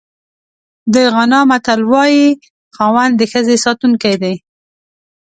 د غانا متل وایي خاوند د ښځې ساتونکی دی.